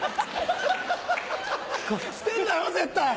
捨てんなよ絶対。